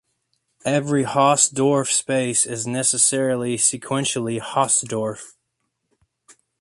Every Hausdorff space is necessarily sequentially Hausdorff.